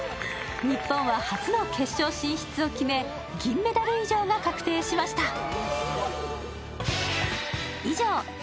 日本は初の決勝進出を決め、銀メダル以上が確定しました。